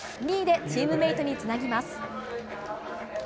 ２位でチームメートにつなぎます。